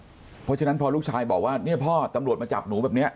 เพราะฉะนั้นพอลูกชายบอกว่าเนี่ยพ่อตำรวจมาจับหนูแบบนี้